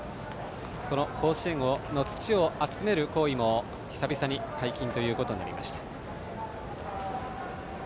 甲子園の土を集める行為も久々に解禁となりました。